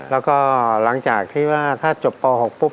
แล้วก็หลังจากที่ว่าถ้าจบป๖ปุ๊บ